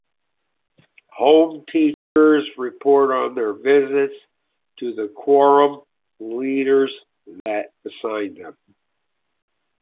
Home teachers report on their visits to the quorum leaders that assigned them.